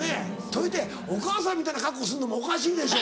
というてお母さんみたいな格好すんのもおかしいでしょ。